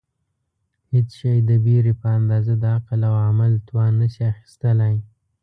هېڅ شی د بېرې په اندازه د عقل او عمل توان نشي اخیستلای.